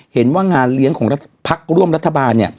เห็นว่างานเลี้ยงของพักร่วมรัฐบาล